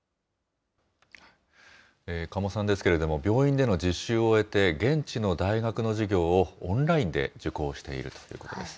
嘉茂さんですけれども、病院での実習を終えて、現地の大学の授業をオンラインで受講しているということです。